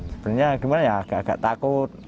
sebenarnya gimana ya agak agak takut